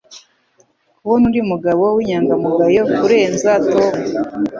kubona undi mugabo w'inyangamugayo kurenza Tom